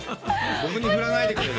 俺に振らないでくれる？